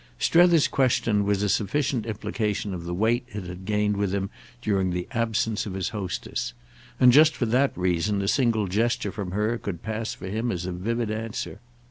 Strether's question was a sufficient implication of the weight it had gained with him during the absence of his hostess; and just for that reason a single gesture from her could pass for him as a vivid answer.